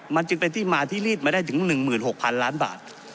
มันจึงเป็นที่มาที่รีดมาได้ถึง๑๖๐๐๐ล้านบาท